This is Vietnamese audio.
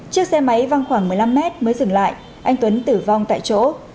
chiếc xe máy văng khoảng một mươi năm mét mới dừng lại anh tuấn tử vong tại chỗ